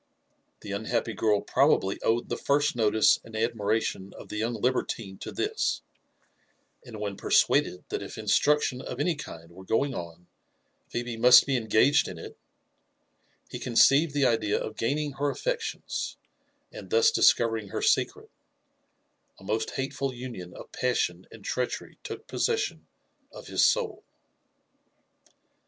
The unhappy girl probably owed the first notice and admiration of the young libertine to this ; and when persuaded that if instruction of any kind were going on, Phebe must be engaged in it, he conceived the U UFE AND ADVENTUftES OF idea of gaining her affections, and thus discoToring her secret, a most hateful union of passion and treachery took possession of his soul.